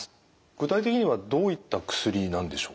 具体的にはどういった薬なんでしょうか？